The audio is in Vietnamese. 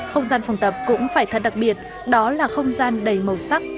không gian phòng tập cũng phải thật đặc biệt đó là không gian đầy màu sắc